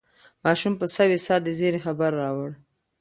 ماشوم په سوې ساه د زېري خبر راوړ.